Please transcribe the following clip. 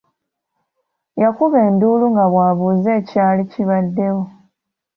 Yakuba enduulu nga bw’abuuza ekyali kibaddewo.